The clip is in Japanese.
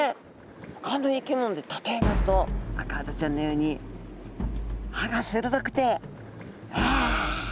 ほかの生き物で例えますとアカハタちゃんのように歯が鋭くてわわ！